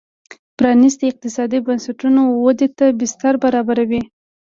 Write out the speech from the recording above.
پرانیستي اقتصادي بنسټونه ودې ته بستر برابروي.